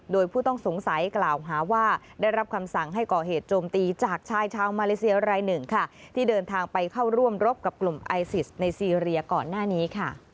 โดยผู้ต้องสงสัยกล่าวหาว่าได้รับคำสั่งให้ก่อเหตุโจมตีจากชายชาวมาเลเซียรายหนึ่งค่ะที่เดินทางไปเข้าร่วมรบกับกลุ่มไอซิสในซีเรียก่อนหน้านี้ค่ะ